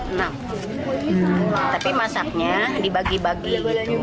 enak tapi masaknya dibagi bagi gitu